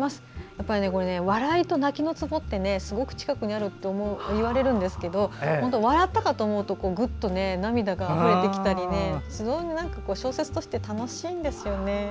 やっぱり笑いと泣きのつぼってすごく近くにあるっていわれるんですけど笑ったかと思うとぐっと涙があふれてきたり小説として楽しいんですよね。